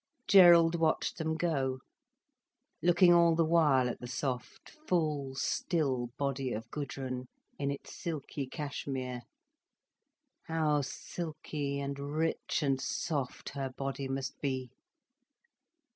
Gerald watched them go, looking all the while at the soft, full, still body of Gudrun, in its silky cashmere. How silky and rich and soft her body must be.